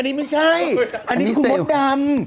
อันนี้ไม่ใช่อันนี้คือมดดำ